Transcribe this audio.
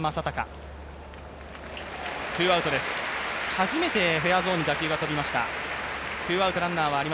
初めてフェアゾーンに打球が飛びました。